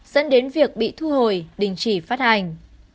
dẫn đến việc bị thu hồi đình chỉ phát hành